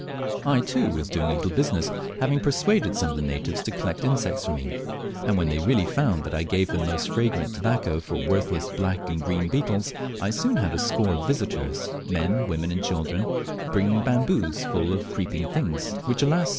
I, too, was doing a little business, having persuaded some of the natives to collect insects for me; and when they really found that I gave them most fragrant tobacco for worthless black and green beetles, I soon had scores of visitors, men, women, and children, bringing bamboos full of creeping things, which, alas!